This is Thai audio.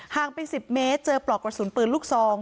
ไป๑๐เมตรเจอปลอกกระสุนปืนลูกซอง